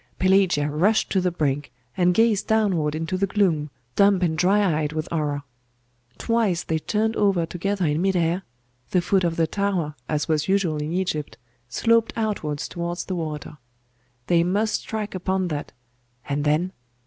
Pelagia rushed to the brink, and gazed downward into the gloom, dumb and dry eyed with horror. Twice they turned over together in mid air.... The foot of the tower, as was usual in Egypt, sloped outwards towards the water. They must strike upon that and then!